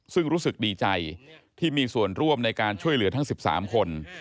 ซึ่งรู้สึกดีใจที่มีส่วนร่วมในการช่วยเหลือทั้ง๑๓คน